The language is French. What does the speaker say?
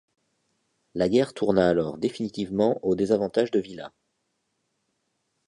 La guerre tourna alors définitivement au désavantage de Villa.